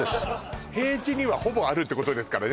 平地にはほぼあるってことですからね